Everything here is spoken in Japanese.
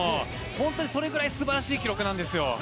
本当にそれぐらい素晴らしい記録なんですよ。